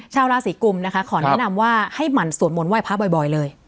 ชาวราศีกุมนะคะขอแนะนำว่าให้หมั่นสวดมนต์ไห้พระบ่อยเลย